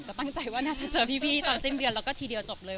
ก็ตั้งใจว่าน่าจะเจอพี่ตอนสิ้นเดือนแล้วก็ทีเดียวจบเลย